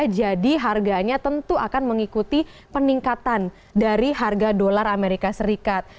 jadi harganya tentu akan mengikuti peningkatan dari harga dolar amerika serikat